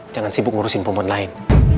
jangan sibuk ngurusin pemain lain